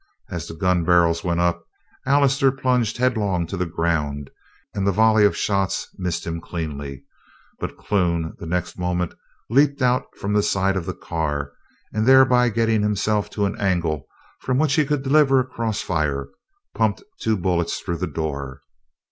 As the gun barrels went up Allister plunged headlong to the ground, and the volley of shot missed him cleanly; but Clune the next moment leaped out from the side of the car, and, thereby getting himself to an angle from which he could deliver a cross fire, pumped two bullets through the door.